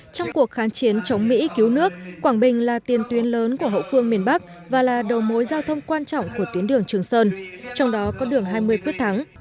trong cuộc kháng chiến chống mỹ cứu nước quảng bình là tiền tuyến lớn của hậu phương miền bắc và là đầu mối giao thông quan trọng của tuyến đường trường sơn trong đó có đường hai mươi quyết thắng